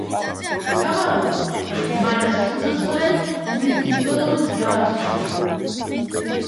სავარაუდოდ, მან სიცოცხლე თვითმკვლელობით დაასრულა.